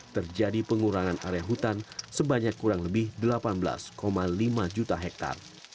terjadi pengurangan area hutan sebanyak kurang lebih delapan belas lima juta hektare